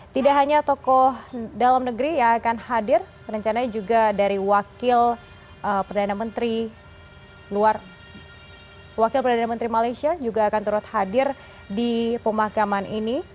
tidak hanya tokoh dalam negeri yang akan hadir rencananya juga dari wakil perdana menteri luar wakil perdana menteri malaysia juga akan turut hadir di pemakaman ini